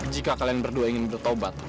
jika kalian berdua ingin bertobat